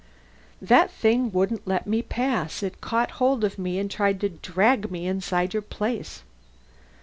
"That thing wouldn't let me pass. It caught hold of me and tried to drag me inside your place."